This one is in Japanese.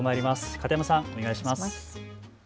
片山さん、お願いします。